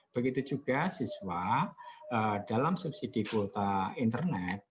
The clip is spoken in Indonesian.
begitu juga siswa dalam subsidi kuota internet